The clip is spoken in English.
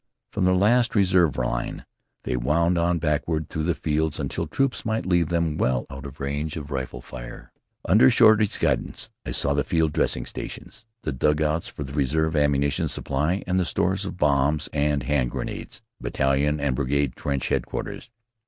From the last reserve line they wound on backward through the fields until troops might leave them well out of range of rifle fire. Under Shorty's guidance I saw the field dressing stations, the dugouts for the reserve ammunition supply and the stores of bombs and hand grenades, battalion and brigade trench headquarters.